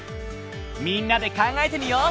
みんなで考えてみよう！